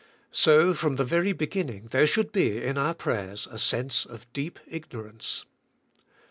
So, from the very beginning there should be in our prayers a sense of deep ignorance.